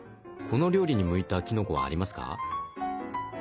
この料理に向いたきのこはありますか？